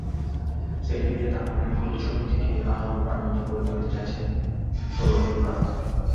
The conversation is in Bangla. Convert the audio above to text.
সেলফি দিয়ে তার মনের ভুল ছবিটিকে আরও প্রাণবন্ত করে তুলতে চাইছে তরুণরা।